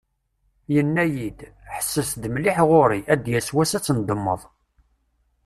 Yenna-iyi-d: « Ḥesses-d mliḥ ɣur-i, ad d-yaweḍ wass ad tendemmeḍ."